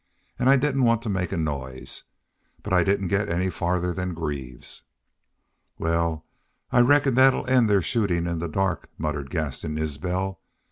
An' I didn't want to make noise. But I didn't get any farther than Greaves." "Wal, I reckon that 'll end their shootin' in the dark," muttered Gaston Isbel.